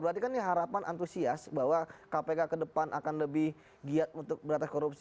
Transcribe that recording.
berarti kan ini harapan antusias bahwa kpk ke depan akan lebih giat untuk beratas korupsi